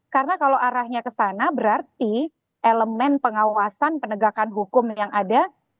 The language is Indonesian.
karena kalau arahnya ke sana berarti elemen pengawasan penegakan hukum yang ada